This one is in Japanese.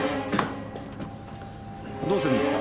どうするんですか？